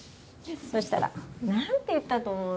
そしたら何て言ったと思う？